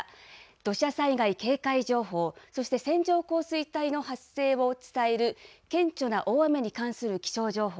土砂災害警戒情報、そして線状降水帯の発生を伝える顕著な大雨に関する気象情報。